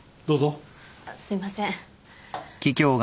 あっすいません。